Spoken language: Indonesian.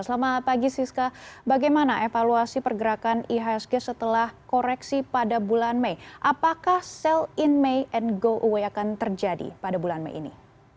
selamat pagi siska bagaimana evaluasi pergerakan ihsg setelah koreksi pada bulan mei apakah sell in may and go away akan terjadi pada bulan mei ini